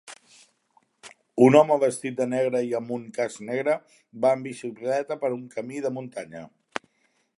Un home vestit de negre i amb un casc negre va en bicicleta per un camí de muntanya.